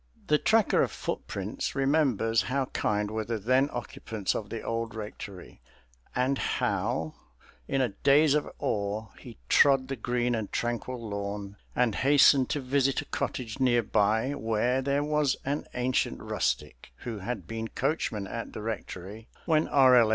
The tracker of footprints remembers how kind were the then occupants of the old rectory, and how, in a daze of awe, he trod the green and tranquil lawn and hastened to visit a cottage near by where there was an ancient rustic who had been coachman at the rectory when R. L.